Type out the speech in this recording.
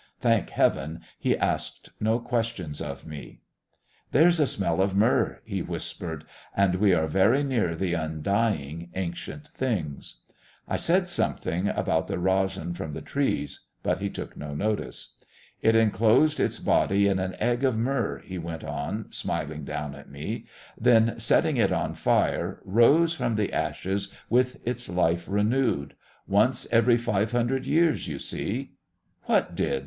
Thank heaven, he asked no questions of me. "There's a smell of myrrh," he whispered, "and we are very near the undying, ancient things." I said something about the resin from the trees, but he took no notice. "It enclosed its body in an egg of myrrh," he went on, smiling down at me; "then, setting it on fire, rose from the ashes with its life renewed. Once every five hundred years, you see " "What did?"